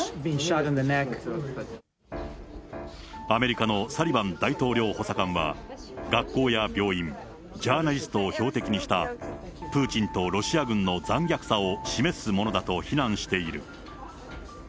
アメリカのサリバン大統領補佐官は、学校や病院、ジャーナリストを標的にした、プーチンとロシア軍の残虐さを示すものだと非難している。